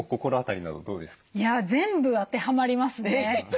いや全部当てはまりますね。